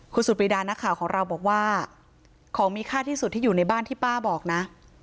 คุณสุดปรีดานักข่าวของเราบอกว่าของมีค่าที่สุดที่อยู่ในบ้านที่ป้าบอกนะ